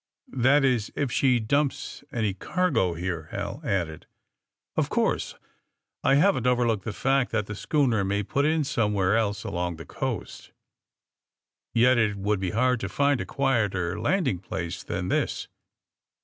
That is, if she dumps any cargo here," Hal added. *^0f course. I haven't overlooked the fact that the schooner may put in somewhere else along the coast. ^*Yet it would be hard to find a quieter landing place than this.